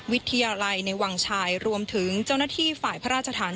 วิทยาลัยในวังชายรวมถึงเจ้าหน้าที่ฝ่ายพระราชฐาน